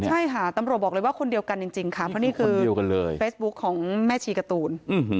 ใช่ค่ะตำรวจบอกว่าคนเดียวกันจริงคือเฟซบุ๊คของแม่ชีการ์ตูน